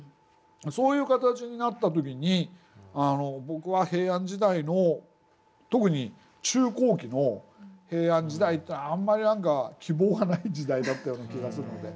そういう形になった時に僕は平安時代の特に中後期の平安時代ってあんまり何か希望がない時代だったような気がするので。